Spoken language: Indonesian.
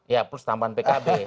ya plus tambahan pkb